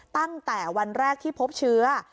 ตั้งแต่วันแรกที่พบเชื้อ